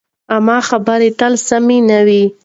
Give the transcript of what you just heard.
عامې خبرې تل سمې نه وي.